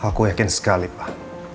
aku yakin sekali pak